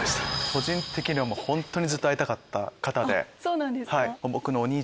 個人的には本当にずっと会いたかった方で。